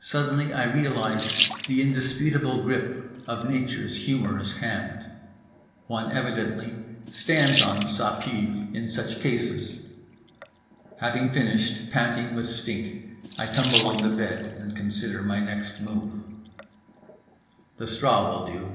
Suddenly I realize the indisputable grip of nature's humorous hand. One evidently stands on Ça Pue in such cases. Having finished, panting with stink, I tumble on the bed and consider my next move. The straw will do.